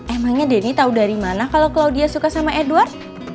emangnya denny tahu dari mana kalau dia suka sama edward